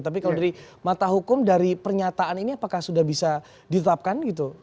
tapi kalau dari mata hukum dari pernyataan ini apakah sudah bisa ditetapkan gitu